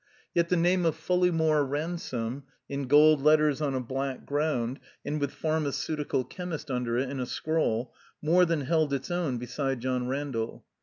Yet the name of Pullejrmore Ransome, in gold letters on a black groimd, and with Pharmaceutical Chemist under it in a scroll, more than held its own beside John Randall.